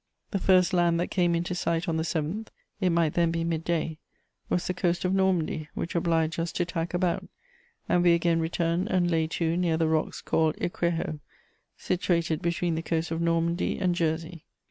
The first land that came into sight on the 7th (it might then be mid day), was the coast of Normandy, which obliged us to tack about, and we again returned and lay to near the rocks called 'Écreho,' situated between the coast of Normandy and Jersey.